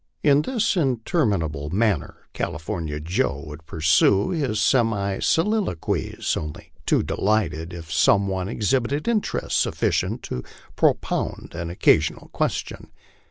In this interminable manner California Joe would pur sue his semi soliloquies, only too delighted if some one exhibited interest suf ficient to propound an occasional question.